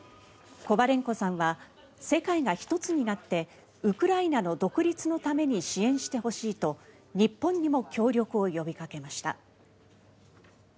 コバレンコさんは世界が一つになってウクライナの独立のために支援してほしいと日本にも協力を呼びかけました。